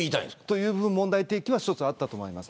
そういう問題提起はあったと思います。